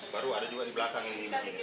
baru ada juga di belakang ini